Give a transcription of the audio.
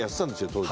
当時。